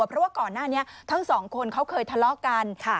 เพราะว่าก่อนหน้านี้ทั้งสองคนเขาเคยทะเลาะกัน